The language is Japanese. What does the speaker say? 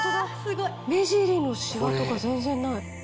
目尻のシワとか全然ない。